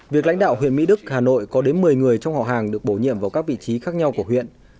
việc lãnh đạo huyện mỹ đức hà nội có đến một mươi người trong họ hàng được bổ nhiệm vào các vị trí khác nhau của huyện